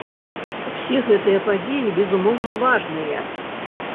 Усе гэтыя падзеі, безумоўна, важныя.